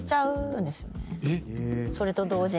それと同時に。